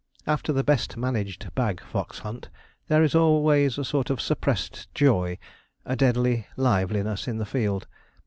After the best managed bag fox hunt, there is always a sort of suppressed joy, a deadly liveliness in the field.